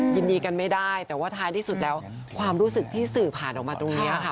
ยินดีกันไม่ได้แต่ว่าท้ายที่สุดแล้วความรู้สึกที่สื่อผ่านออกมาตรงนี้ค่ะ